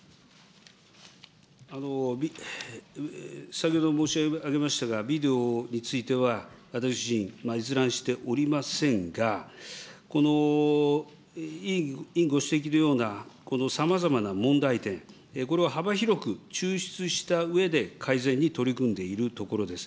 先ほど申し上げましたが、ビデオについては、私自身閲覧しておりませんが、この委員ご指摘のような、このさまざまな問題点、これを幅広く抽出したうえで改善に取り組んでいるところです。